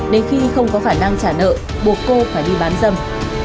đến khi không có khả năng trả nợ buộc cô phải đi bán dâm